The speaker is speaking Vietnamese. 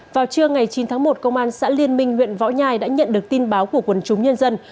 vào trưa ngày chín tháng một công an xã liên minh huyện võ nhai đã nhận được tin báo của quần chúng nhân dân